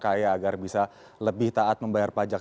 kaya agar bisa lebih taat membayar pajak